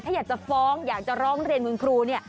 ถ้าอยากจะฟ้องอยากจะร้องเรียนคุณครู